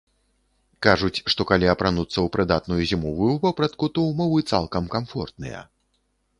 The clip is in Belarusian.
Кажуць, што калі апрануцца ў прыдатную зімовую вопратку, то ўмовы цалкам камфортныя.